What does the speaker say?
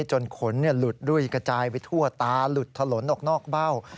ขนหลุดรุ่ยกระจายไปทั่วตาหลุดถลนออกนอกเบ้า